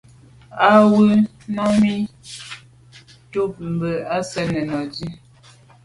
Á wʉ́ Nùmí nɔ́ɔ̀ cúp mbʉ̀ á swɛ́ɛ̀n Nùŋgɛ̀ dí.